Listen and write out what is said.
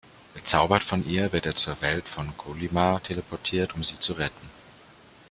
Bezaubert von ihr, wird er zur Welt von Kolyma teleportiert, um sie zu retten.